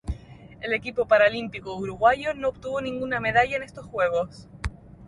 El equipo paralímpico uruguayo no obtuvo ninguna medalla en estos Juegos.